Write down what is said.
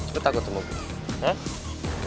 lo takut mau gue